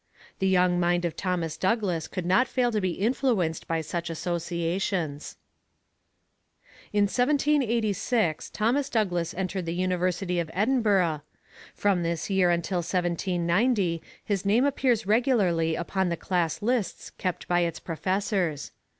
The young mind of Thomas Douglas could not fail to be influenced by such associations. In 1786 Thomas Douglas entered the University of Edinburgh. From this year until 1790 his name appears regularly upon the class lists kept by its professors.